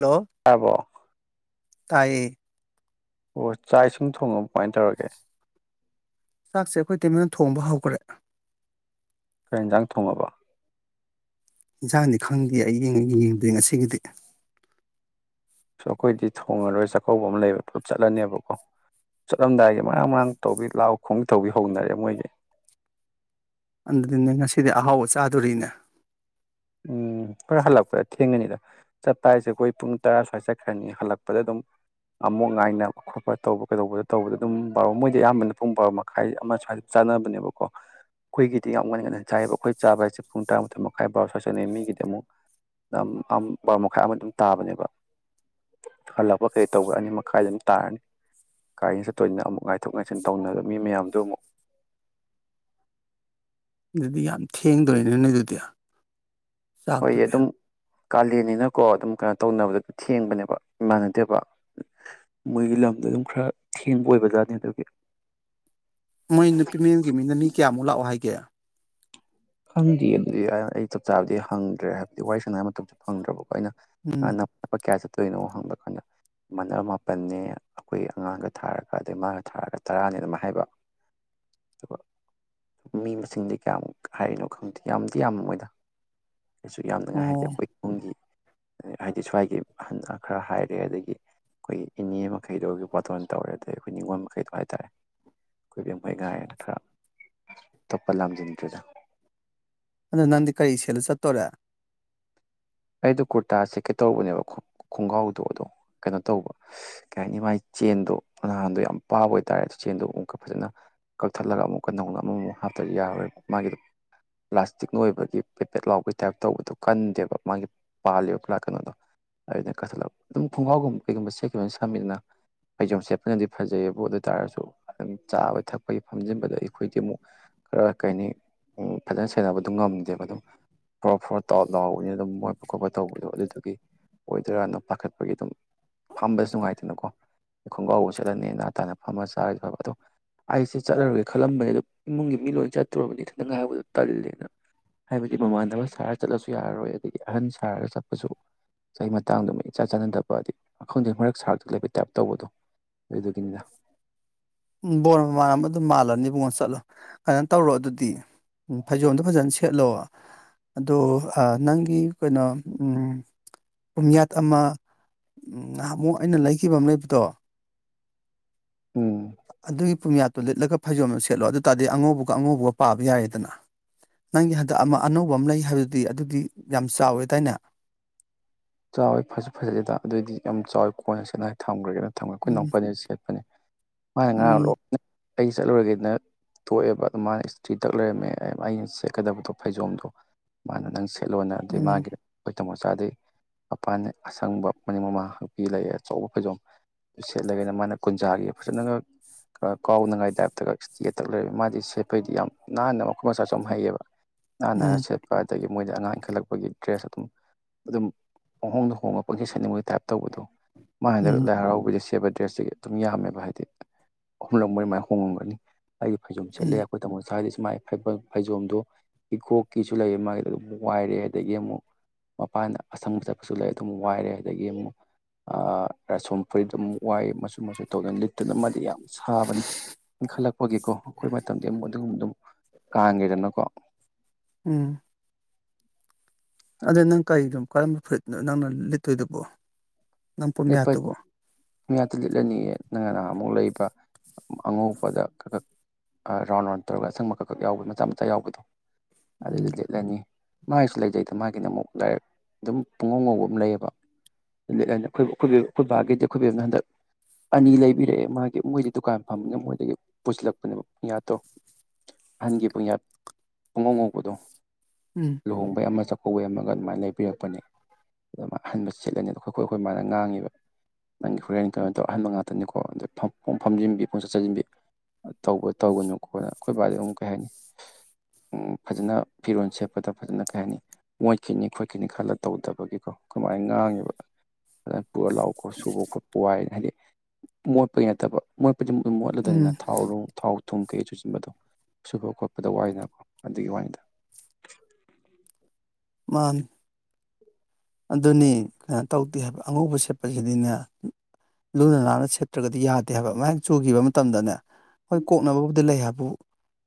hello ꯇꯥꯕ꯭ꯔꯣ ꯇꯥꯏꯌꯦ ꯑꯣ ꯆꯥꯛ ꯏꯁꯤꯡ ꯊꯣꯡꯉꯕꯣ ꯀꯃꯥꯏꯅ ꯇꯧꯔꯒꯦ ꯆꯥꯛꯁꯦ ꯑꯩꯈꯣꯏ ꯏꯇꯩꯃꯅ ꯊꯣꯡꯕ ꯍꯧꯈ꯭ꯔꯦ ꯀꯩ ꯏꯟꯖꯥꯡ ꯊꯣꯡꯉꯕ ꯏꯟꯁꯥꯡꯗꯤ ꯈꯪꯗꯦ ꯑꯩ ꯌꯦꯡꯕꯨ ꯌꯦꯉꯨꯗꯦ ꯉꯁꯤꯒꯤꯗꯤ ꯑꯩꯈꯣꯏꯗꯤ ꯊꯣꯡꯉꯔꯣꯏ ꯆꯥꯛꯀꯧꯕ ꯑꯃ ꯂꯩꯕ ꯄꯨꯂꯞ ꯆꯠꯂꯅꯦꯕꯀꯣ ꯆꯠꯂꯝꯗꯥꯏꯒꯤ ꯃꯔꯥꯡ ꯃꯔꯥꯡ ꯇꯧꯕꯤ ꯂꯥꯎ ꯈꯣꯡ ꯇꯧꯕꯤ ꯍꯧꯅꯔꯦ ꯃꯣꯏꯒꯤ ꯑꯗꯨꯗꯤ ꯅꯣꯏ ꯉꯁꯤꯗꯤ ꯑꯍꯥꯎꯕ ꯆꯥꯗꯣꯔꯤꯅꯦ ꯎꯝ ꯑꯩꯈꯣꯏ ꯍꯜꯂꯛꯄꯗ ꯊꯦꯡ ꯊꯦꯡꯉꯅꯤꯗ ꯆꯠꯄ ꯍꯥꯏꯁꯦ ꯑꯩꯈꯣꯏ ꯄꯨꯡ ꯇꯔꯥ ꯁ꯭ꯋꯥꯏꯗ ꯆꯠꯈ꯭ꯔꯅꯤ ꯍꯜꯂꯛꯄꯗ ꯑꯗꯨꯝ ꯑꯃꯣꯛ ꯉꯥꯏꯅꯕ ꯈꯣꯠꯄ ꯇꯧꯕ ꯀꯩꯗꯧꯕꯗ ꯇꯧꯕꯗ ꯑꯗꯨꯝ ꯕꯥꯔꯣ ꯃꯣꯏꯗꯤ ꯑꯌꯥꯝꯕꯅ ꯄꯨꯡ ꯕꯥꯔꯣ ꯃꯈꯥꯏ ꯑꯃ ꯁ꯭ꯋꯥꯏꯗ ꯆꯥꯅꯕꯅꯦꯕꯀꯣ ꯑꯩꯈꯣꯏꯒꯤꯗꯤ ꯌꯥꯝ ꯉꯟꯅ ꯉꯟꯅ ꯆꯥꯏꯕ ꯑꯩꯈꯣꯏ ꯆꯥꯕ ꯍꯥꯏꯁꯦ ꯄꯨꯡ ꯇꯔꯥꯃꯊꯣꯏ ꯃꯈꯥꯏ ꯕꯥꯔꯣ ꯁ꯭ꯋꯥꯏ ꯆꯥꯅꯩ ꯃꯤꯒꯤꯗꯤ ꯑꯃꯨꯛ ꯕꯥꯔꯣ ꯃꯈꯥꯏ ꯑꯃ ꯑꯗꯨꯝ ꯇꯥꯕꯅꯦꯕ ꯍꯜꯂꯛꯄ ꯀꯩ ꯇꯧꯕ ꯑꯅꯤ ꯃꯈꯥꯏꯗꯤ ꯑꯗꯨꯝ ꯇꯥꯔꯅꯤ ꯒꯥꯔꯤꯅ ꯆꯠꯇꯣꯏꯅꯤꯅ ꯑꯃꯨꯛ ꯉꯥꯏꯊꯣꯛ ꯉꯥꯏꯁꯤꯟ ꯇꯧꯅꯕ ꯃꯤ ꯃꯌꯥꯝꯗꯨ ꯑꯃꯨꯛ ꯑꯗꯨꯗꯤ ꯌꯥꯝ ꯊꯦꯡꯗꯣꯔꯤꯅꯦ ꯅꯣꯏ ꯑꯗꯨꯗꯤ ꯍꯣꯏ ꯑꯗꯨꯝ ꯀꯥꯂꯦꯟꯅꯤꯅꯀꯣ ꯑꯗꯨꯝ ꯀꯩꯅꯣ ꯇꯧꯅꯕꯗ ꯊꯦꯡꯕꯅꯦꯕ ꯃꯥꯟꯅꯗꯦꯕ ꯃꯣꯏꯒꯤ ꯂꯝꯗꯣ ꯑꯗꯨꯝ ꯈꯔ ꯊꯦꯡꯕ ꯑꯣꯏꯕꯖꯥꯠꯅꯤ ꯑꯗꯨꯒꯤ ꯃꯣꯏ ꯅꯨꯄꯤ ꯃꯥꯌꯨꯝꯒꯤ ꯃꯤꯅ ꯃꯤ ꯀꯌꯥꯃꯨꯛ ꯂꯥꯛꯑꯣ ꯍꯥꯏꯒꯦ ꯈꯪꯗꯤꯌꯦ ꯑꯗꯨꯗꯤ ꯑꯩ ꯆꯞ ꯆꯥꯕꯗꯤ ꯍꯪꯗ꯭ꯔꯦ ꯍꯥꯏꯕꯗꯤ ꯋꯥꯔꯤ ꯁꯥꯟꯅ ꯕꯩ ꯃꯇꯝꯗꯨ ꯐꯪꯗ꯭ꯔꯥꯕꯀꯣ ꯑꯩꯅ ꯎꯝ [unintelligible] ꯂꯨꯄꯥ ꯀꯌꯥ ꯆꯠꯇꯣꯏꯅꯣ ꯍꯪꯕ ꯀꯥꯟꯗ ꯃꯥꯥꯅ ꯃꯥꯄꯟꯅꯦ ꯑꯩꯈꯣꯏ ꯑꯉꯥꯡꯒ ꯊꯥꯔꯒ ꯑꯗꯩ ꯃꯥꯒ ꯊꯥꯔꯒ ꯇꯔꯥꯅꯦꯅ ꯑꯗꯨꯃꯥꯏ ꯍꯥꯏꯕ [inaudible] ꯑꯗꯨꯒ ꯃꯤ ꯃꯁꯤꯡꯗꯤ ꯀꯌꯥꯃꯨꯛ ꯍꯥꯏꯔꯤꯅꯣ ꯈꯪꯗꯦ ꯌꯥꯝꯗꯤ ꯌꯥꯝꯃꯣꯏꯗ ꯀꯩꯁꯨ ꯌꯥꯝꯅꯉꯥꯏ ꯍꯥꯏꯗꯦ ꯑꯣ ꯑꯩꯈꯣꯏꯃꯨꯡꯒꯤ ꯍꯥꯏꯗꯤ ꯁ꯭ꯋꯥꯏꯒꯤ ꯑꯍꯟ ꯈꯔ ꯍꯥꯏꯔꯦ ꯑꯗꯒꯤ ꯑꯩꯈꯣꯏꯒꯤ ꯏꯅꯦ ꯃꯈꯩꯗꯣ ꯕꯥꯇꯣꯟ ꯇꯧꯔꯦ ꯑꯗꯩ ꯑꯩꯈꯣꯏ ꯅꯤꯡꯉꯣꯜ ꯃꯈꯩꯗꯣ ꯍꯥꯏꯇꯥꯔꯦ ꯑꯩꯈꯣꯏꯕꯦꯝ ꯃꯣꯏ ꯉꯥꯏꯅ ꯈꯔ ꯑꯇꯣꯞꯄ ꯂꯥꯝꯖꯟꯗ꯭ꯔꯖꯨ ꯑꯗꯣ ꯅꯪꯗꯤ ꯀꯔꯤ ꯁꯦꯠꯂ ꯆꯠꯇꯣꯔꯦ ꯑꯩꯗꯣ ꯀꯨꯔꯇꯥ ꯁꯦꯠꯀꯦ ꯇꯧꯕꯅꯦꯕ ꯈꯣꯡꯒ꯭ꯔꯥꯎꯗꯣ ꯑꯗꯣ ꯀꯩꯅꯣ ꯇꯧꯕ ꯀꯩ ꯍꯥꯏꯅꯤ ꯃꯥꯥꯏ ꯆꯦꯟꯗꯣ ꯅꯍꯥꯟꯗꯣ ꯌꯥꯝ ꯄꯥꯕ ꯑꯣꯏꯇꯥꯔꯦ ꯆꯦꯟꯗꯣ ꯑꯃꯨꯛꯀꯥ ꯐꯖꯅ ꯀꯛꯊꯠꯂꯒ ꯑꯃꯨꯛꯀꯥ ꯅꯧꯅ ꯑꯃꯃꯨꯛ ꯍꯥꯞꯇ꯭ꯔꯥꯗꯤ ꯌꯥꯔꯔꯣꯏꯕ ꯃꯥꯒꯤꯗꯣ ꯄ꯭ꯂꯥꯁꯇꯤꯛꯅ ꯑꯣꯏꯕꯒꯤ ꯄꯦꯠꯄꯦꯠ ꯂꯥꯎꯕꯒꯤ ꯇꯥꯏꯞ ꯇꯧꯕꯗꯣ ꯀꯟꯗꯦꯕ ꯃꯥꯒꯤ ꯄꯥꯜꯂꯤꯕ ꯄꯨꯔꯥ ꯀꯩꯅꯣꯗꯣ [unintelligible] ꯀꯛꯊꯠꯂꯕ ꯑꯗꯨꯝ ꯈꯨꯡꯒꯥꯎꯒꯨꯝꯕ ꯀꯩꯒꯨꯝꯕ ꯁꯦꯠꯈꯤꯕ ꯁꯝꯃꯤꯗꯅ ꯐꯩꯖꯣꯝ ꯁꯦꯠꯄꯅꯗꯤ ꯐꯖꯩꯑꯕꯨ ꯑꯗꯨ ꯑꯣꯏ ꯇꯥꯔꯁꯨ ꯑꯗꯨꯝ ꯆꯥꯕ ꯊꯛꯄꯒꯤ ꯐꯝꯖꯤꯟꯕꯗ ꯑꯩꯈꯣꯏꯗꯤ ꯑꯃꯨꯛ ꯈꯔ ꯀꯩꯅꯤ ꯎꯝ ꯐꯖꯅ ꯁꯦꯟꯅꯕꯗꯨ ꯉꯝꯗꯦꯕ ꯑꯗꯨꯝ ꯐꯣꯔꯣ ꯐꯣꯔꯣ ꯇꯥꯎ ꯂꯥꯎꯕꯅꯤ ꯑꯗꯨꯝ ꯃꯣꯠꯄ ꯈꯣꯠꯄ ꯇꯧꯕꯗꯣ ꯑꯗꯨꯗꯨꯒꯤ ꯑꯣꯏꯗꯣꯏꯔꯥꯅ ꯄꯥꯈꯠꯄꯒꯤ ꯑꯗꯨꯝ ꯐꯥꯝꯕꯁꯨ ꯅꯨꯡꯉꯥꯏꯇꯦꯅꯀꯣ ꯈꯣꯡꯒꯥꯎꯒ ꯁꯦꯠꯂꯒ ꯅꯦꯅ ꯇꯥꯅ ꯐꯝꯃ ꯆꯥꯔꯗꯤ ꯐꯕ ꯑꯗꯣ ꯑꯩꯁꯦ ꯆꯠꯂꯔꯣꯏꯒꯦ ꯈꯜꯂꯝꯕꯅꯦ ꯑꯗꯣ ꯏꯃꯨꯡꯒꯤ ꯃꯤ ꯂꯣꯏ ꯆꯠꯇꯨꯔꯕꯅꯤ ꯏꯊꯟꯗ ꯉꯥꯏꯍꯧꯕꯗꯣ ꯇꯜꯂꯦꯅ ꯍꯥꯏꯕꯗꯤ ꯃꯃꯥꯟꯅꯕ ꯁꯥꯔ ꯆꯠꯂꯁꯨ ꯌꯥꯔꯔꯣꯏ ꯑꯗꯒꯤ ꯑꯍꯟ ꯁꯥꯔꯒ ꯆꯠꯄꯁꯨ ꯆꯍꯤ ꯃꯇꯥꯡꯗꯨ ꯏꯆꯥ ꯆꯥꯟꯅꯗꯕ ꯑꯗꯒꯤ ꯈꯪꯗꯦ ꯃꯔꯛ ꯁꯥꯔꯛꯇꯥ ꯂꯩꯕ ꯇꯥꯏꯞ ꯇꯧꯕꯗꯣ ꯑꯗꯨꯗꯨꯒꯤꯅꯤꯗ ꯎꯝ ꯕꯣꯔ ꯃꯃꯥꯟꯅꯕ ꯑꯗꯨꯝ ꯃꯥꯜꯂꯅꯤꯕꯨꯡꯉꯣ ꯆꯠꯂꯣ ꯀꯩꯅꯣ ꯇꯧꯔꯣ ꯑꯗꯨꯗꯤ ꯎꯝ ꯐꯩꯖꯣꯝꯗꯣ ꯐꯖꯅ ꯁꯦꯠꯂꯣ ꯑꯗꯣ ꯑꯥ ꯅꯪꯒꯤ ꯀꯩꯅꯣ ꯎꯝ ꯄꯨꯝꯌꯥꯠ ꯑꯃ ꯎꯝ ꯉꯍꯥꯃꯨꯛ ꯑꯩꯅ ꯂꯩꯈꯤꯕ ꯑꯃ ꯂꯩꯕꯗꯣ ꯎꯝ ꯑꯗꯨꯒꯤ ꯄꯨꯌꯥꯠꯇꯣ ꯂꯤꯠꯂꯒꯥ ꯐꯩꯖꯣꯝ ꯁꯦꯠꯂꯣ ꯑꯗꯨ ꯇꯥꯔꯗꯤ ꯑꯉꯧꯕꯒ ꯑꯉꯧꯕꯒ ꯄꯥꯕ ꯌꯥꯏꯔꯦꯗꯅ ꯅꯪꯒꯤ ꯍꯟꯗꯛ ꯑꯃ ꯑꯅꯧꯕ ꯑꯃ ꯂꯩ ꯍꯥꯏꯕꯗꯨꯗꯤ ꯑꯗꯨꯗꯤ ꯌꯥꯝ ꯆꯥꯎꯋꯦꯗꯥꯏꯅꯦ ꯆꯥꯎꯋꯦ ꯐꯖꯨ ꯐꯖꯗꯦꯗ ꯑꯗꯨꯗꯤ ꯌꯥꯝ ꯆꯥꯎꯋꯦ ꯀꯣꯟꯅ ꯁꯦꯠꯅꯉꯥꯏ ꯊꯝꯒ꯭ꯔꯥꯒꯦꯗ ꯊꯝꯒꯔꯦ ꯑꯩꯈꯣꯏ ꯎꯝ ꯏꯅꯥꯎꯄꯗꯒꯤ ꯁꯦꯠꯄꯅꯤ ꯃꯥꯅ ꯉꯔꯥꯡ ꯎꯝ ꯂꯣꯏꯅ ꯑꯩ ꯆꯠꯂꯨꯔꯒꯦꯅ ꯊꯣꯑꯦꯕ ꯑꯗꯨ ꯃꯥꯅ ꯏꯁꯇ꯭ꯔꯤ ꯇꯛ ꯂꯩꯔꯝꯃꯦ ꯑꯩꯅ ꯁꯦꯠꯀꯗꯕꯗꯣ ꯐꯩꯖꯣꯝꯗꯣ ꯃꯥꯅ ꯅꯪ [unintelligible] ꯂꯣꯅ ꯑꯗꯨ ꯎꯝ ꯃꯥꯒꯤ ꯑꯈꯣꯏ ꯇꯃꯣꯆꯥꯗꯤ ꯃꯄꯥꯟꯅ ꯑꯁꯪꯕ ꯃꯅꯤꯡ ꯃꯃꯥꯡ ꯍꯥꯛꯄꯤ ꯂꯩ ꯑꯆꯧꯕ ꯐꯩꯖꯣꯝ ꯁꯦꯠꯂꯒꯦꯅ ꯃꯥꯅ ꯀꯨꯟꯖꯥꯒꯤ ꯐꯖꯅꯒ ꯈꯔ ꯀꯥꯎꯅꯉꯥꯏ ꯇꯥꯏꯞꯇꯒ ꯁꯇ꯭ꯔꯤꯒ ꯇꯛ ꯂꯩꯔꯝ ꯃꯥꯗꯤ ꯁꯦꯠꯄꯩꯗꯤ ꯌꯥꯝ ꯅꯥꯟꯅ ꯃꯈꯨꯠ ꯃꯁꯥꯁꯨ ꯌꯥꯝ ꯍꯩꯌꯦꯕ [inaudible] ꯅꯥꯥꯟ ꯅꯥꯟꯅ ꯁꯦꯠꯄ ꯑꯗꯒꯤ ꯃꯣꯏꯗꯤ ꯑꯉꯥꯡ ꯏꯟꯈꯠꯂꯛꯄꯒꯤ ꯗ꯭ꯔꯦꯁ ꯑꯗꯨꯝ ꯑꯗꯨꯝ ꯄꯪꯍꯣꯡꯗ ꯍꯣꯡꯉꯒ ꯄꯪꯁꯦꯠ ꯁꯦꯠꯅꯤꯡꯕꯩ ꯇꯥꯏꯞ ꯇꯧꯕꯗꯣ ꯃꯥ ꯎꯝ ꯍꯟꯗꯛ ꯎꯝ ꯂꯥꯏ ꯍꯔꯥꯎꯕꯩꯗ ꯁꯦꯠꯄ ꯗ꯭ꯔꯦꯁꯇꯤ ꯑꯗꯨꯝ ꯌꯥꯝꯃꯦꯕ ꯍꯥꯏꯗꯤ ꯑꯍꯨꯝꯂꯛ ꯃꯔꯤꯃꯥꯏ ꯍꯣꯡꯉꯝꯒꯅꯤ ꯑꯩꯒꯤ ꯐꯩꯖꯣꯝ ꯁꯦꯠꯂꯦ ꯎꯝ ꯑꯈꯣꯏ ꯇꯃꯣꯆꯥꯏꯗꯤ ꯁꯨꯃꯥꯏ ꯐꯩꯕ ꯐꯩꯖꯣꯝꯗꯣ ꯏꯀꯣꯛꯀꯤꯁꯨ ꯂꯩꯌꯦ ꯃꯥꯏ ꯑꯗꯨꯗꯨꯝ ꯋꯥꯏꯔꯦ ꯑꯗꯒꯤ ꯑꯃꯨꯛ ꯃꯄꯥꯟꯅ ꯑꯁꯪꯕ ꯆꯠꯄꯁꯨ ꯂꯩ ꯑꯗꯨꯃꯨꯛ ꯋꯥꯏꯔꯦ ꯑꯗꯒꯤ ꯑꯃꯨꯛ ꯑꯥ ꯔꯥꯁꯣꯟ ꯐꯨꯔꯤꯠ ꯑꯃꯨꯛ ꯋꯥꯏ ꯃꯆꯨ ꯃꯆꯨ ꯇꯧꯗꯅ ꯂꯤꯠꯇꯅ ꯃꯥꯗꯤ ꯌꯥꯝ ꯁꯥꯕꯅꯤ ꯏꯟꯈꯠꯂꯛꯄꯒꯤꯀꯣ ꯑꯈꯣꯏ ꯃꯇꯝꯗꯤ ꯑꯃꯨꯛ ꯑꯗꯨꯒꯨꯝꯕꯗꯨꯃꯨꯛ ꯀꯥꯟꯒ꯭ꯔꯦꯗꯅꯀꯣ ꯎꯝ ꯑꯗꯨ ꯅꯪ ꯀꯩꯗꯨꯝ ꯀꯔꯝꯕ ꯐꯨꯔꯤꯠꯅꯣ ꯅꯪꯅ ꯂꯤꯠꯇꯣꯏꯗꯨꯕꯣ ꯅꯪ ꯂꯤꯠꯄ ꯄꯨꯃꯤꯌꯥꯠꯇꯨꯕꯣ ꯃꯤꯌꯥꯠꯇꯨ ꯂꯤꯠꯂꯅꯤꯌꯦ ꯅꯪꯅ ꯅꯍꯥꯟꯃꯨꯛ ꯂꯩꯕ ꯑꯉꯧꯕꯗ ꯈ ꯈꯛ ꯑꯥ ꯔꯥꯎꯟ ꯔꯥꯎꯟ ꯇꯧꯔꯒ ꯑꯁꯪꯕ ꯈꯛꯈꯛ ꯌꯥꯎꯕ ꯃꯆꯥ ꯃꯆꯥ ꯌꯥꯎꯕꯗꯣ ꯎꯝ ꯑꯗꯨꯏꯗꯨ ꯂꯤꯠꯂꯅꯤ ꯃꯥꯏꯁꯨ ꯂꯩꯖꯩꯗ ꯃꯥꯒꯤꯅ ꯑꯃꯨꯛ ꯗꯥꯏꯔꯦꯛ ꯑꯗꯨꯝ ꯄꯨꯡꯉꯧ ꯉꯧꯕ ꯑꯝ ꯂꯩꯌꯦꯕ ꯂꯤꯠꯂꯦꯅ ꯑꯈꯣꯏ ꯑꯈꯣꯏꯕꯨ ꯑꯈꯣꯏ ꯕꯥꯒꯤꯗꯤ ꯑꯈꯣꯏ ꯕꯦꯝꯅ ꯍꯟꯗꯛ ꯑꯅꯤ ꯂꯩꯕꯤꯔꯛꯑꯦ ꯃꯥꯒꯤ ꯃꯣꯏꯗꯤ ꯗꯨꯀꯥꯟ ꯐꯝꯕꯅꯤꯅ ꯃꯣꯏꯗꯒꯤ ꯄꯨꯁꯤꯜꯂꯛꯄꯅꯦꯕ ꯄꯨꯡꯌꯥꯠꯇꯣ ꯑꯍꯟꯒꯤ ꯄꯨꯡꯌꯥꯠ ꯄꯨꯡꯉꯧꯉꯧꯕꯗꯣ ꯎꯝ ꯂꯨꯍꯣꯡꯕꯩ ꯑꯃ ꯆꯥꯛꯀꯧꯕꯩ ꯑꯃꯒ ꯑꯗꯨꯃꯥꯏꯟ ꯂꯩꯕꯤꯔꯛꯄꯅꯦ ꯑꯗ ꯃꯥ ꯑꯍꯟꯕ ꯁꯦꯠꯂꯅꯤ ꯑꯗꯣ ꯈꯣ ꯈꯣꯏ ꯈꯣꯏ ꯃꯥꯅ ꯉꯥꯡꯉꯤꯕ ꯅꯪꯒꯤ ꯍꯨꯔꯦꯟ ꯀꯩꯅꯣ ꯇꯧꯔ ꯑꯍꯟꯕ ꯉꯥꯇꯅꯤꯀꯣ ꯑꯗ ꯐꯝ ꯄꯨꯝ ꯐꯝꯖꯤꯟꯕꯤ ꯄꯨꯡꯆꯥ ꯆꯖꯤꯟꯕꯤ ꯑ ꯇꯧꯕ ꯇꯧꯒꯅꯨ ꯈꯣꯠꯅ ꯑꯈꯣꯏ ꯕꯥꯗꯤ ꯑꯃꯨꯛ ꯀꯩ ꯍꯥꯏꯅꯤ ꯎꯝ ꯐꯖꯅ ꯐꯤꯔꯣꯟ ꯁꯦꯠꯄꯗ ꯐꯖꯅ ꯀꯩ ꯍꯥꯏꯅꯤ ꯃꯣꯏꯈꯤꯅꯤ ꯈꯣꯠꯈꯤꯅꯤ ꯈꯜꯂ ꯇꯧꯗꯕꯒꯤꯀꯣ ꯈꯣꯏꯃꯥꯅ ꯉꯥꯡꯉꯤꯕ ꯐꯖꯅ ꯄꯨꯔ ꯂꯥꯛꯎꯀꯣ ꯁꯨꯕ ꯈꯣꯠꯄ ꯋꯥꯏ ꯍꯥꯏꯗꯤ ꯃꯣꯠꯄꯒꯤ ꯅꯠꯇꯕ ꯃꯣꯠꯄꯗꯤ ꯑꯗꯨꯝ ꯃꯣꯠꯂꯗꯨꯏꯅꯤꯅ ꯎꯝ ꯊꯥꯎꯔꯣ ꯊꯥꯎ ꯊꯨꯝ ꯀꯩ ꯆꯨꯁꯤꯟꯕꯗꯣ ꯁꯨꯕ ꯈꯣꯠꯄꯗ ꯋꯥꯏꯗꯅꯀꯣ ꯑꯗꯨꯒꯤ ꯋꯥꯅꯤꯗ ꯃꯥꯥꯟꯅꯤ ꯑꯗꯨꯅꯤ ꯀꯩꯅꯣ ꯇꯧꯗꯦ ꯍꯥꯏꯕ ꯑꯉꯧꯕ ꯁꯦꯠꯄꯖꯤꯗꯤꯅꯦ ꯂꯨꯅ ꯅꯥꯟꯅ ꯁꯦꯠꯇ꯭ꯔꯒꯗꯤ ꯌꯥꯗꯦ ꯍꯥꯏꯕ ꯑꯃꯥꯏꯛ ꯆꯨꯒꯤꯕ ꯃꯇꯝꯗꯅꯦ ꯍꯣꯏ ꯀꯣꯛꯅꯕꯕꯨꯗꯤ ꯂꯩ ꯍꯥꯏꯕꯨ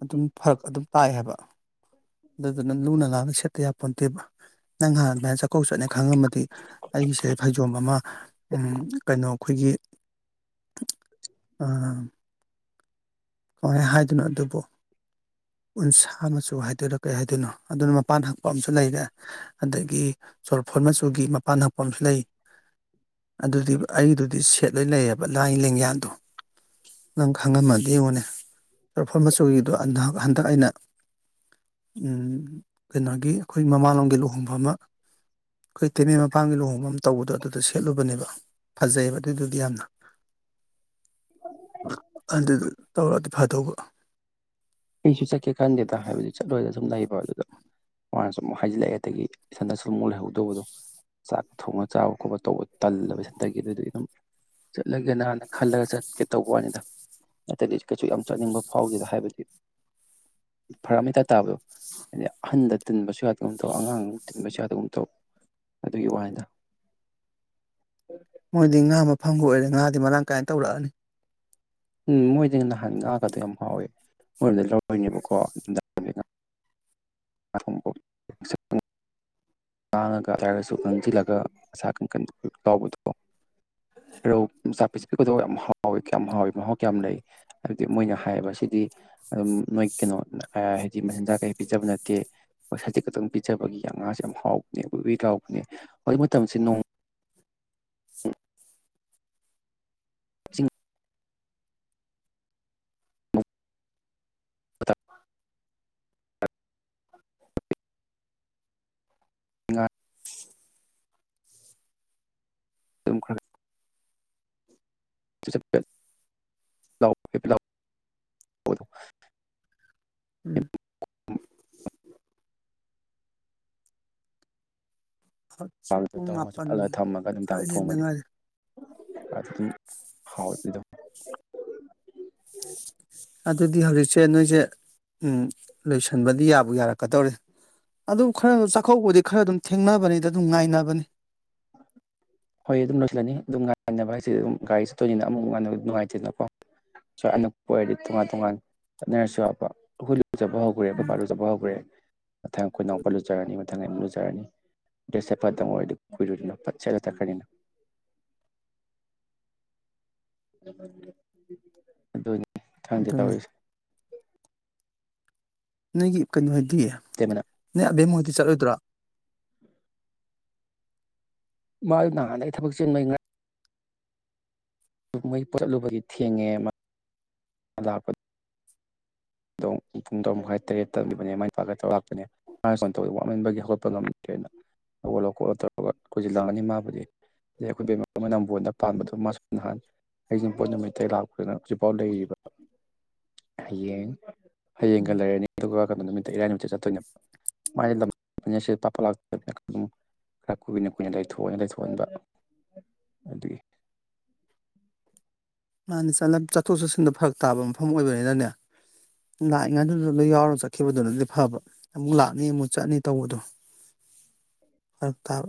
ꯑꯗꯨꯝ ꯐꯔꯛ ꯑꯗꯨꯝ ꯇꯥꯏ ꯍꯥꯏꯕ ꯑꯗꯨꯗꯨꯅ ꯂꯨꯅ ꯅꯥꯟꯅ ꯁꯦꯠꯇ ꯌꯥꯄꯣꯟꯠꯇꯦꯕ ꯅꯪ ꯍꯥꯟꯅ ꯑꯗꯨꯃꯥꯏꯟ ꯆ ꯀꯧ ꯆꯠꯅꯦ ꯈꯪꯉꯝꯃꯗꯤ ꯑꯩꯒꯤꯁꯦ ꯐꯩꯖꯣꯝ ꯑꯃ ꯎꯝ ꯀꯩꯅꯣ ꯑꯈꯣꯏꯒꯤ ꯑꯥ ꯀꯃꯥꯏ ꯍꯥꯏꯗꯨꯅ ꯑꯗꯨꯕꯨ ꯎꯟꯁꯥ ꯃꯆꯨ ꯍꯥꯏꯗꯣꯏꯔꯥ ꯀꯩ ꯍꯥꯏꯗꯣꯏꯅꯣ ꯑꯗꯨꯅ ꯃꯄꯥꯟ ꯍꯛꯄ ꯑꯝꯁꯨ ꯂꯩꯔꯦ ꯑꯗꯒꯤ ꯆꯣꯔꯐꯣꯟ ꯃꯆꯨꯒꯤ ꯃꯄꯥꯟ ꯍꯛꯄ ꯑꯝꯁꯨ ꯂꯩ ꯑꯗꯨꯗꯤꯕ ꯑꯩꯒꯤꯗꯨꯗꯤ ꯁꯦꯠ ꯂꯣꯏ ꯂꯩꯌꯦꯕ ꯂꯥꯏ ꯂꯦꯡꯌꯥꯟꯗꯣ ꯅꯪ ꯈꯪꯉꯝꯃꯗꯤ ꯌꯦꯡꯉꯣꯅꯦ ꯑꯔꯐꯣꯟ ꯃꯆꯨꯒꯤꯗꯣ ꯑꯟꯗꯛ ꯍꯟꯗꯛ ꯑꯩꯅ ꯎꯝ ꯀꯩꯅꯣꯒꯤ ꯑꯈꯣꯏ ꯃꯃꯥꯡꯂꯣꯝꯒꯤ ꯂꯨꯍꯣꯡꯕ ꯑꯃ ꯑꯈꯣꯏ ꯇꯦꯅꯦꯜ ꯃꯄꯥꯝꯒꯤ ꯂꯨꯍꯣꯡꯕꯝ ꯇꯧꯕꯗ ꯑꯗꯨꯗ ꯁꯦꯠꯂꯨꯕꯅꯦꯕ ꯐꯖꯩꯌꯦꯕ ꯑꯗꯨꯗꯨꯗꯤ ꯌꯥꯝꯅ ꯑꯗꯨꯗꯨ ꯇꯧꯔꯛꯑꯗꯤ ꯐꯗꯧꯕ ꯑꯩꯁꯨ ꯆꯠꯀꯦ ꯈꯟꯗꯦꯗ ꯍꯥꯏꯕꯗꯤ ꯆꯠꯂꯣꯏꯗ ꯁꯨꯝ ꯂꯩꯕ ꯑꯗꯨꯗ ꯃꯥꯅꯁꯨ ꯑꯃꯨꯛ ꯍꯥꯏꯖꯤꯜꯂꯛꯑꯦ ꯑꯗꯒꯤ ꯏꯊꯟꯗꯁꯨ ꯑꯃꯨꯛ ꯂꯩꯍꯧꯗꯧꯕꯗꯣ ꯆꯥꯛ ꯊꯣꯡꯉ ꯆꯥꯕ ꯈꯣꯠꯄ ꯇꯧꯕ ꯇꯜꯂꯕꯁꯗꯒꯤ ꯑꯗꯨꯗꯤ ꯑꯗꯨꯝ ꯆꯠꯂꯒꯦꯅ ꯍꯥꯟꯅ ꯈꯜꯂꯒ ꯆꯠꯀꯦ ꯇꯧꯕꯅꯤꯗ ꯅꯠꯇꯗꯤ ꯀꯩꯁꯨ ꯌꯥꯝ ꯆꯠꯅꯤꯡꯕ ꯐꯥꯎꯗꯦꯗ ꯍꯥꯏꯕꯗꯤ ꯐꯔꯛ ꯇꯥꯕꯗꯣ ꯍꯥꯏꯗꯤ ꯑꯍꯟꯗ ꯇꯤꯟꯕꯁꯨ ꯌꯥꯗ ꯑꯃ ꯇꯧ ꯑꯉꯥꯡ ꯇꯤꯟꯕꯁꯨ ꯌꯥꯗꯕ ꯑꯃ ꯇꯧ ꯑꯗꯨꯒꯤ ꯋꯥꯅꯤꯗ ꯃꯣꯏꯗꯤ ꯉꯥ ꯃꯐꯝꯒ ꯑꯣꯏꯔꯦ ꯉꯥꯗꯤ ꯃꯔꯥꯡ ꯀꯥꯏꯅ ꯇꯧꯔꯛꯑꯅꯤ ꯎꯝ ꯃꯣꯏꯗꯤ ꯅꯍꯥꯟ ꯉꯥꯛꯒꯗꯣ ꯌꯥꯝ ꯍꯥꯎꯋꯦ ꯃꯣꯏꯔꯣꯝꯗꯒꯤ ꯂꯧꯔꯣꯏꯅꯦꯕꯀꯣ [unintelligible] ꯇꯥꯡꯉꯒ ꯍꯥꯏꯔꯒꯁꯨ ꯀꯪꯁꯤꯜꯂꯒ ꯑꯁꯥ ꯀꯟ ꯀꯟ ꯂꯥꯎꯕꯗꯗꯣ ꯔꯧ ꯃꯆꯥ ꯄꯤꯁꯤꯛ ꯄꯤꯄꯗꯣ ꯌꯥꯝ ꯍꯥꯎꯋꯤ ꯀꯌꯥꯝ ꯍꯥꯎꯋꯤ ꯃꯍꯥꯎ ꯀꯌꯥꯝ ꯂꯩ ꯍꯥꯏꯕꯗꯤ ꯃꯣꯏꯅ ꯍꯥꯏꯌꯦꯕ ꯁꯤꯗꯤ ꯑꯗꯨꯝ ꯅꯣꯏ ꯀꯩꯅꯣ ꯍꯥꯏꯗꯤ ꯃꯆꯤꯟꯖꯥꯛ ꯀꯩ ꯄꯤꯖꯕ ꯅꯠꯇꯦ ꯍ ꯍꯥꯏꯖꯤꯛ ꯈꯛꯇꯪ ꯄꯤꯖꯕꯒꯤ ꯑ ꯉꯥꯁꯦ ꯌꯥꯝ ꯍꯥꯎꯕꯅꯦ ꯑꯩ ꯋꯤꯔꯥꯎꯕꯅꯦ ꯍꯧꯖꯤꯛ ꯃꯇꯝꯁꯤꯦꯣꯡ ꯆꯤꯡ [unintelligible] ꯉꯥ ꯑꯗꯨꯝ ꯈꯔ ꯥ [unintelligible] ꯎꯝ ꯍꯣꯏ ꯗ ꯇꯧꯔꯒ ꯊꯝꯃꯒ ꯑꯗꯨꯝꯅꯨꯡꯗꯥꯡ ꯍꯦꯟꯗ ꯊꯣꯡꯕꯅꯤ ꯉꯥꯏꯔꯤ [unintelligible] ꯑꯗꯨꯗꯤ ꯍꯧꯖꯤꯛꯁꯦ ꯅꯣꯏꯁꯦ ꯎ ꯂꯣꯏꯁꯟꯕꯗꯤ ꯌꯥꯕꯨ ꯌꯥꯔꯛꯀꯗꯧꯔꯦ ꯑꯗꯨ ꯈꯔ ꯆꯥꯛꯀꯧꯕꯗꯤ ꯈꯔ ꯑꯗꯨꯝ ꯊꯦꯡꯅꯕꯅꯤꯗ ꯑꯗꯨꯝ ꯉꯥꯏꯅꯕꯅꯤ ꯍꯣꯏ ꯑꯗꯨꯝ ꯂꯣꯏꯁꯤꯜꯂꯅꯤ ꯑꯗꯨꯝ ꯉꯥꯏꯟꯅꯕ ꯍꯥꯏꯁꯤꯗꯤ ꯑꯗꯨꯝ ꯒꯥꯔꯤ ꯆꯠꯇꯣꯏꯅꯤꯅ ꯑꯃꯨꯛ ꯉꯥꯟꯅꯕ ꯅꯨꯡꯉꯥꯏꯇꯦꯅꯀꯣ ꯑꯅꯛꯄ ꯑꯣꯏꯔꯗꯤ ꯇꯣꯉꯥꯟ ꯇꯣꯉꯥꯟ ꯆꯠꯅꯔꯁꯨ ꯎꯝ [unintelligible] ꯃꯊꯪ ꯑꯩꯈꯣꯏꯅꯛ ꯂꯨꯖꯔꯅꯤ ꯃꯊꯪ ꯑꯃꯨ ꯂꯨꯖꯔꯅꯤ ꯗ꯭ꯔꯦꯁꯦ ꯐꯠꯇꯪ ꯑꯣꯏꯔ ꯑꯗꯨ ꯀꯏꯔꯣꯏꯅ ꯐꯠꯆꯠ [unintelligible] ꯑꯗꯨꯅꯤ ꯈꯪꯗꯦ ꯑꯗꯨꯅꯤ ꯇꯧꯔꯤꯁꯦ ꯅꯪꯒꯤ ꯀꯩꯅꯣ ꯍꯥꯏꯗꯤ ꯏꯇꯩꯃ ꯅ ꯅꯣꯏ ꯑꯕꯦꯝꯃꯣꯏꯗꯤ ꯆꯠꯂꯣꯏꯗ꯭ꯔꯣ ꯃꯥ ꯅꯍꯥꯟꯗꯩꯩ ꯊꯕꯛ ꯆꯤꯟꯕꯩ ꯃꯣꯏ ꯄꯣꯠ ꯆꯠꯂꯨꯕꯒꯤ ꯊꯦꯡꯉꯦ [unintelligible] ꯑꯗꯣ ꯄꯨꯡ ꯇꯔꯛ ꯃꯈꯥꯏ ꯇꯔꯦꯠ ꯇꯝꯕꯅꯦ ꯃꯥꯏ ꯅꯨꯄꯥꯒ ꯇꯧꯔ ꯂꯥꯛꯄꯅꯦ [unintelligible] ꯑꯗꯩ ꯑꯩꯈꯣꯏ ꯃꯅꯝꯕꯅ ꯄꯥꯟꯕꯗꯣ ꯃꯥꯁꯨ ꯅꯍꯥꯟ ꯍꯩꯖꯤꯡꯄꯣꯠ ꯅꯨꯃꯤꯠꯇ ꯂꯥꯛꯄꯗꯅ ꯍꯧꯖꯤꯛꯐꯥꯎ ꯂꯩꯔꯤꯕ ꯍꯌꯦꯡ ꯍꯌꯦꯡꯒ ꯎꯝ ꯂꯩꯔꯅꯤ ꯑꯗꯨꯒ ꯀꯩꯅꯣ ꯅꯨꯃꯤꯠꯇ ꯏꯔꯥꯏ ꯅꯨꯃꯤꯠ ꯆꯠꯇꯣꯏꯅꯦꯕ [unintelligible] ꯈꯔ ꯀꯨꯏꯅ ꯀꯨꯏꯅ ꯂꯩꯊꯣꯛꯑꯣꯅ ꯂꯩꯊꯣꯛꯍꯟꯕ ꯑꯗꯨꯒꯤ ꯃꯥꯅꯦ ꯆꯠꯊꯣꯛ ꯆꯠꯁꯤꯟꯗ ꯐꯔꯛ ꯇꯥꯕ ꯃꯐꯝ ꯑꯣꯏꯕꯅꯤꯅꯅꯦ ꯂꯥꯛꯏꯉꯗꯨꯗ ꯌꯥꯎꯔꯒ ꯆꯠꯈꯤꯕꯗꯨꯅꯗꯤ ꯐꯕ ꯑꯃꯨꯛ ꯂꯥꯛꯅꯤ ꯑꯃꯨꯛ ꯆꯠꯅꯤ ꯇꯧꯕꯗꯣ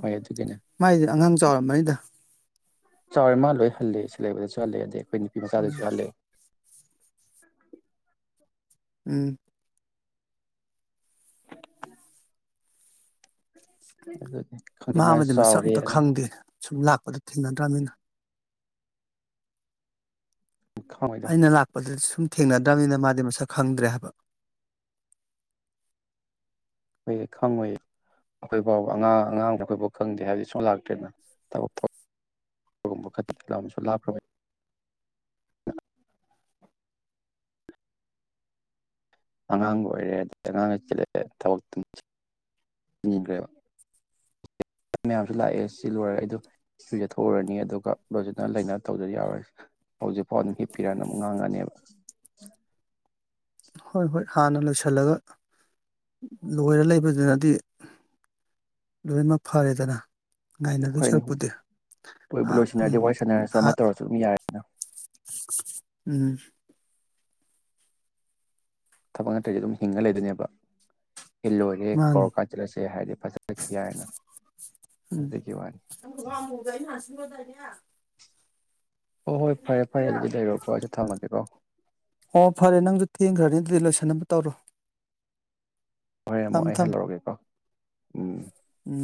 ꯍꯣꯏ ꯑꯗꯨꯒꯤꯅꯦ ꯃꯥꯏꯗꯤ ꯑꯉꯥꯡ ꯆꯥꯎꯔꯝꯕꯅꯤꯗ ꯆꯥꯎꯔꯦ ꯃꯥ ꯂꯣꯏ ꯍꯜꯂꯦ ꯁꯤꯕꯗ ꯍꯜꯂꯦ ꯑꯗꯩ ꯑꯩꯈꯣꯏ ꯅꯨꯄꯤ ꯎꯝ ꯃꯆꯥꯗꯁꯨ ꯍꯜꯂꯦ ꯎꯝ ꯑꯗꯨꯅꯤ ꯃꯥꯕꯨꯗꯤ ꯃꯁꯛ ꯑꯝꯇ ꯈꯪꯗꯦ ꯁꯨꯝ ꯂꯥꯛꯄꯗ ꯊꯦꯡꯅꯗ꯭ꯔꯕꯅꯤꯅ ꯈꯪꯉꯣꯏꯗ ꯑꯩꯅ ꯂꯥꯛꯄꯗꯨꯗꯤ ꯁꯨꯝ ꯊꯦꯡꯅꯗ꯭ꯔꯕꯅꯤꯅ ꯃꯥꯗꯤ ꯃꯁꯛ ꯈꯪꯗ꯭ꯔꯦ ꯍꯥꯏꯕ ꯍꯣꯏ ꯈꯪꯉꯣꯏ ꯑꯩꯈꯣꯏ ꯐꯥꯎꯕ ꯑꯉꯥꯡ ꯑꯉꯥꯡꯗ ꯑꯩꯈꯣꯏꯐꯥꯎ ꯈꯪꯗꯦ ꯍꯥꯏꯕꯗꯤ ꯁꯨꯝ ꯂꯥꯛꯇꯦꯅ ꯊꯕꯛ [unintelligible] ꯑꯉꯥꯡ ꯑꯣꯏꯔꯦ ꯑꯗꯒꯤ ꯑꯉꯥꯡꯒ ꯆꯤꯜꯂꯛꯑꯦ ꯊꯕꯛꯇꯈ꯭ꯔꯦꯕ ꯃꯌꯥꯝꯁꯨ ꯂꯥꯛꯑꯦ ꯁꯤ ꯂꯣꯏꯔꯒꯦ ꯑꯩ ꯑꯗꯨꯣ ꯁ ꯆꯠꯊꯣꯛꯎꯔꯅꯤ ꯑꯗꯨꯒ ꯂꯖꯅ ꯂꯩꯅ ꯇꯧꯗ ꯌꯥꯎꯔꯁꯤ ꯍꯧꯖꯤꯛꯐꯥꯎ ꯑꯗꯨꯝ ꯍꯤꯞꯄꯤꯔꯅ ꯑꯃꯨꯛ ꯉꯥꯡꯉꯅꯦꯕ ꯍꯣꯏ ꯍꯣꯏ ꯍꯥꯟꯅ ꯂꯣꯏꯁꯤꯜꯂꯒ ꯂꯣꯏꯔ ꯂꯩꯕꯗꯨꯅꯗꯤ ꯂꯣꯏꯅꯃꯛ ꯐꯔꯦꯗꯅ ꯉꯥꯏꯅ ꯗꯣꯏ ꯍꯣꯏ ꯁꯔꯨꯛꯄꯨꯗꯤ ꯑ ꯂꯣꯏꯕꯨ ꯂꯣꯏꯁꯤꯟꯅꯔꯗꯤ ꯎꯝ ꯋꯥꯔꯤ ꯁꯥꯟꯅꯔꯁꯨ ꯑ ꯑꯃ ꯇꯧꯔꯁꯨ ꯑꯗꯨꯝ ꯌꯥꯏꯗꯅ ꯎꯝ ꯊꯕꯛ ꯅꯠꯇ꯭ꯔꯁꯦ ꯑꯗꯨꯝ ꯍꯤꯡꯉ ꯂꯩꯗꯣꯏꯅꯦꯕ ꯍꯜ ꯂꯣꯏꯔꯦ ꯀꯧ ꯃꯥꯅꯤ ꯀꯥ ꯆꯠꯂꯁꯦ ꯍꯥꯏꯗꯤ ꯐꯖꯅ ꯍꯥꯏꯅ ꯎꯝ ꯐꯖꯀꯤ ꯋꯥꯅꯤ [unintelligible] ꯑꯣ ꯍꯣꯏ ꯐꯔꯦ ꯐꯔꯦ ꯑꯗꯨꯗꯤ ꯂꯩꯔꯣꯀꯣ ꯑꯩꯁꯨ ꯊꯝꯃꯒꯦꯀꯣ ꯑꯣ ꯐꯔꯦ ꯅꯪꯁꯨ ꯊꯦꯡꯈ꯭ꯔꯅꯤ ꯑꯗꯨꯗꯤ ꯂꯣꯏꯁꯟꯅꯕ ꯇꯧꯔꯣ ꯍꯣꯔꯦꯟ ꯑꯃꯨꯛ ꯊꯝꯃꯣ ꯑꯩ ꯊꯝꯃꯣ ꯍꯜꯂꯔꯒꯦꯀꯣ ꯎꯝ ꯎꯝ